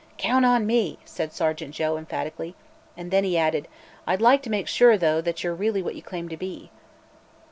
"Count on me!" said Sergeant Joe, emphatically. And then he added: "I'd like to make sure, though, that you're really what you claim to be."